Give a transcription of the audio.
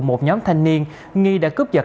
một nhóm thanh niên nghi đã cướp giật